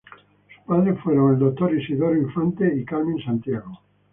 Sus padres fueron Dr. Isidoro Infante y Carmen Santiago.